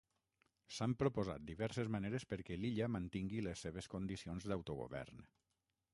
S'han proposat diverses maneres perquè l'illa mantingui les seves condicions d'autogovern.